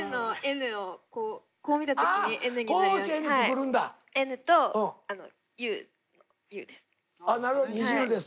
「Ｎ」と「Ｕ」です。